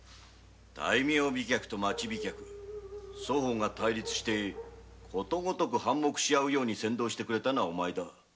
大名飛脚と町飛脚双方が対立してことごとく反目し合うように扇動してくれたのはお前だ。